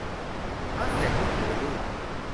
ม้าแข่ง วิ่งอยู่ในลู่